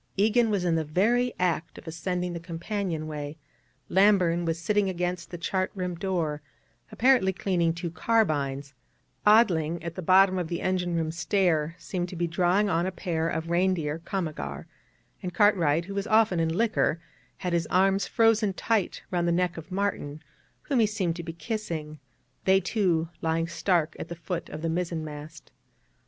Egan was in the very act of ascending the companion way; Lamburn was sitting against the chart room door, apparently cleaning two carbines; Odling at the bottom of the engine room stair seemed to be drawing on a pair of reindeer komagar; and Cartwright, who was often in liquor, had his arms frozen tight round the neck of Martin, whom he seemed to be kissing, they two lying stark at the foot of the mizzen mast.